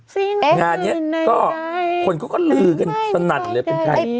สิ่งใจงานเนี้ยก็คนก็หลือกันสนัดเลยเป็นทัศน์